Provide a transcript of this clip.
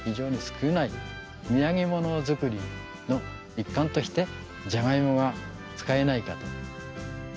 土産物作りの一貫としてじゃがいもが使えないかと。